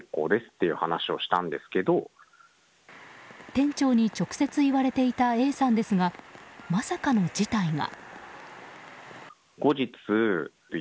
店長に直接言われていたＡさんですがまさかの事態が。